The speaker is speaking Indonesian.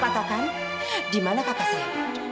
katakan dimana kakak saya